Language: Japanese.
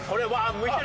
向いてる！